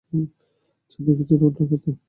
ছাদে গেছে, রোদ লাগাতে।